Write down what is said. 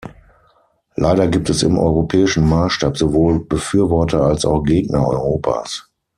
Leider gibt es im europäischen Maßstab sowohl Befürworter als auch Gegner Europas.